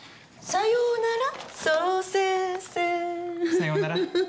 さようなら。